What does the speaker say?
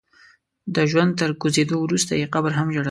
د ژوند تر کوزېدو وروسته يې قبر هم ژړل.